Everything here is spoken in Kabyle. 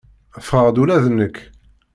Ffɣeɣ-d ula d nekk.